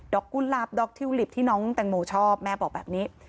กุหลาบดอกทิวลิปที่น้องแตงโมชอบแม่บอกแบบนี้